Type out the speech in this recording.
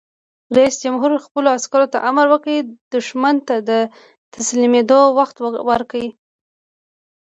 رئیس جمهور خپلو عسکرو ته امر وکړ؛ دښمن ته د تسلیمېدو وخت ورکړئ!